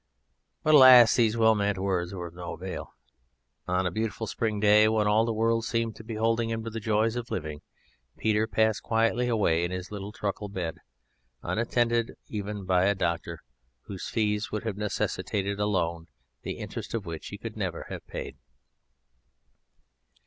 But, alas! these well meant words were of no avail. On a beautiful spring day, when all the world seemed to be holding him to the joys of living, Peter passed quietly away in his little truckle bed, unattended even by a doctor, whose fees would have necessitated a loan the interest of which he could never have paid.